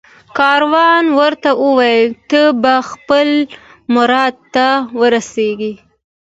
کاروان ورته وویل ته به خپل مراد ته ورسېږې